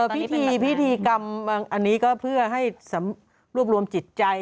ใช่พิธีอันนี้ก็เพื่อให้ร่วมรวมจิตใจ